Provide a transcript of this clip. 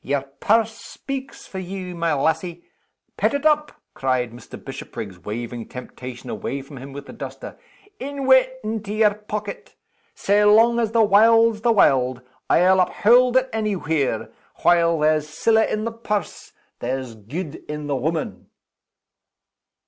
"Your purse speaks for you, my lassie. Pet it up!" cried Mr. Bishopriggs, waving temptation away from him with the duster. "In wi' it into yer pocket! Sae long as the warld's the warld, I'll uphaud it any where while there's siller in the purse, there's gude in the woman!"